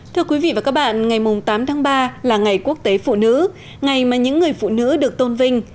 thưa quý vị và các bạn ngày tám tháng ba là ngày quốc tế phụ nữ ngày mà những người phụ nữ được tôn vinh